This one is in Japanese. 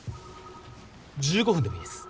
１５分でもいいです。